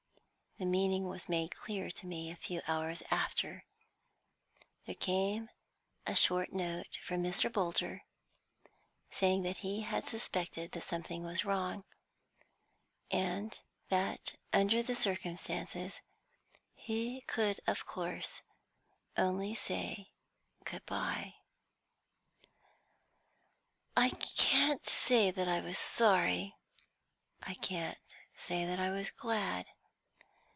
The meaning was made clear to me a few hours after. There came a short note from Mr. Bolter, saying that he had suspected that something was wrong, and that under the circumstances he could of course only say good bye. I can't say that I was sorry; I can't say that I was glad.